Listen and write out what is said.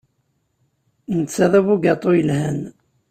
Netta d abugaṭu yelhan.